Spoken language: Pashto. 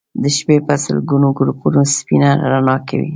د شپې به سلګونو ګروپونو سپينه رڼا کوله